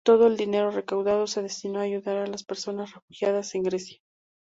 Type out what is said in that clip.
Todo el dinero recaudado se destinó a ayudar a las personas refugiadas en Grecia.